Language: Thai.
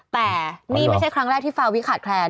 แต่นี่ไม่ใช่ครั้งแรกที่ฟาวิขาดแคลน